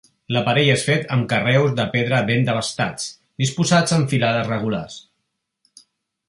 L'aparell és fet amb carreus de pedra ben desbastats, disposats en filades regulars.